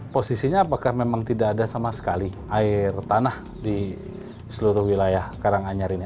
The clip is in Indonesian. posisinya apakah memang tidak ada sama sekali air tanah di seluruh wilayah karanganyar ini